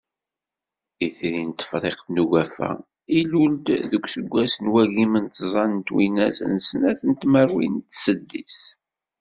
Itri n Tefriqt n Ugafa, ilul-d deg useggas n wagim d tẓa twinas d snat tmerwin d seddis.